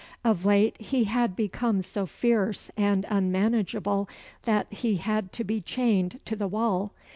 Of late, he had become so fierce and unmanageable that he had to be chained to the wall.